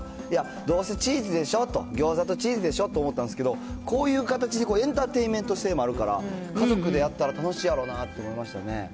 いや、どうせチーズでしょと、ギョーザとチーズでしょって思ったんですけど、こういう形で、エンターテインメント性もあるから、家族でやったら楽しいやろうなと思いましたね。